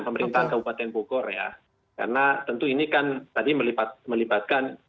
pemerintahan kabupaten bogor ya karena tentu ini kan tadi melibatkan